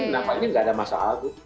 kenapa ini tidak ada masalah